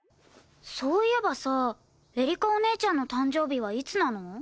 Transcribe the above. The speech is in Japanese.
そういえばさエリカお姉ちゃんの誕生日はいつなの？